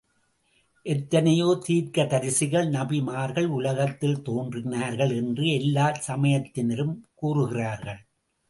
எத்தனையோ தீர்க்கதரிசிகள், நபிமார்கள் உலகத்தில் தோன்றினார்கள் என்று எல்லாச் சமயத்தினரும் கூறுகிறார்கள்.